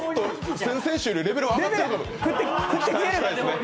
先々週よりレベルが上がってるかも。